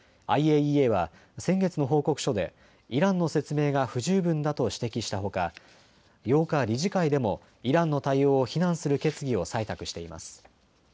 ＩＡＥＡは先月の報告書でイランの説明が不十分だと指摘したほか８日、理事会でもイランの対応を非難する決議を採択しています。